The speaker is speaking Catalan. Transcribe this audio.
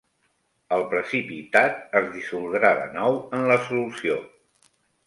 El precipitat es dissoldrà de nou en la solució.